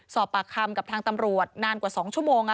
สอบปากคำกับทางตำรวจนานกว่า๒ชั่วโมง